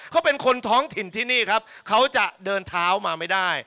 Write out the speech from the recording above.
เขาเป็นคนท้องถิ่นที่นี่ครับเขาจะเดินเท้ามาไม่ได้